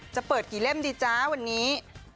จะเปิดกี่เล่มดีจ๊ะวันนี้